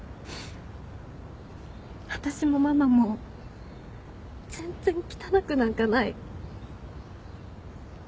私もママも全然汚くなんかない。